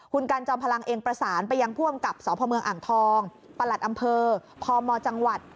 คุณกันจอมพลังเองประสานไปยังผู้อำกับสพเมืองอ่างทองประหลัดอำเภอพมจังหวัด